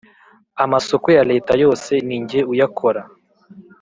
amasoko ya leta yose ninjye uyakora